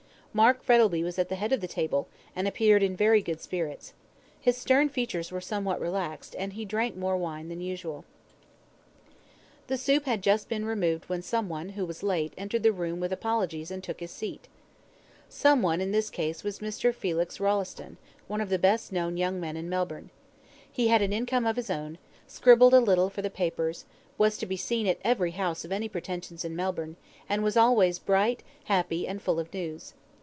Mark Frettlby was at the head of the table, and appeared in very good spirits. His stern features were somewhat relaxed, and he drank more wine than usual. The soup had just been removed when some one, who was late, entered with apologies and took his seat. Some one in this case was Mr. Felix Rolleston, one of the best known young men in Melbourne. He had an income of his own, scribbled a little for the papers, was to be seen at every house of any pretensions in Melbourne, and was always bright, happy, and full of news.